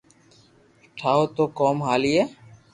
ٺاو تو ڪوم ھالئي